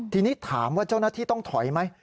ทีนี้ถามว่าเจ้าหน้าที่ต้องถอยไหม